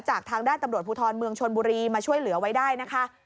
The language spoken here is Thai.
จากทางด้านตำรวจภูทรเมืองชนบุรีมาช่วยเหลือไว้ได้นะคะ